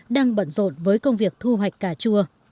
đang bận rộn với công việc thu hoạch cà chua